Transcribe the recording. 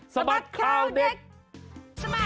สมัครพาวเอ็กซ์เอเย้